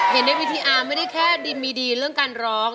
เห็นในวิทยาไม่ได้แค่ดีมีดีเรื่องการรอง